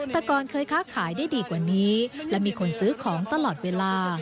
แต่ก่อนเคยค้าขายได้ดีกว่านี้และมีคนซื้อของตลอดเวลา